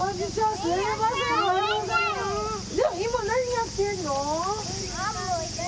今、何やってるの？